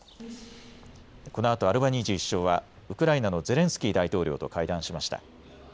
このあとアルバニージー首相はウクライナのゼレンスキー大統領と会談しました。